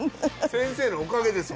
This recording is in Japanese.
先生のおかげです